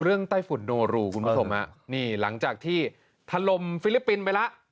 เรื่องใต้ฝุ่นโนรุคุณผู้ชมนี่หลังจากที่ทันลมฟิลิปปินส์ไปแล้ว